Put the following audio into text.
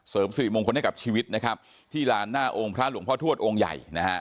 เสริมสุริมงคลให้กับชีวิตที่ลานหน้าองค์พระหลวงพ่อทวชองค์ใหญ่